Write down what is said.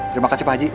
terima kasih pak haji